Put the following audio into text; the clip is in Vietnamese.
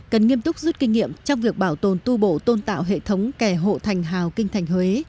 cần nghiêm túc rút kinh nghiệm trong việc bảo tồn tu bổ tôn tạo hệ thống kẻ hộ thành hào kinh thành huế